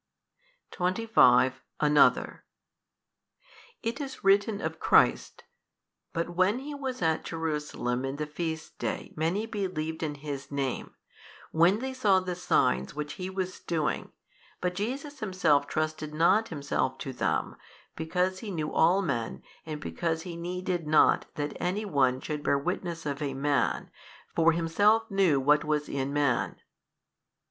25. Another. It is written of Christ, But when He was at Jerusalem in the feast day many believed in His Name, when they saw the signs which He was doing, but Jesus Himself trusted not Himself to them, because He knew all men and because He needed not that any one should bear witness of a man, for Himself knew what was in man.